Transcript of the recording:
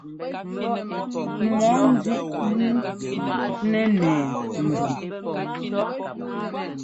Mɔɔ nzíʼ wú nɛ́ nɛɛ ŋgʉn.